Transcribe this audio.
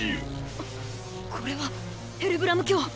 あっこれはヘルブラム卿。